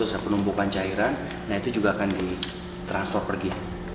atau penumpukan cairan itu juga akan ditransfer pergi